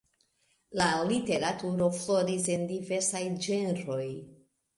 La literaturo floris en diversaj ĝenroj.